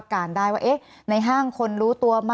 มีความรู้สึกว่ามีความรู้สึกว่า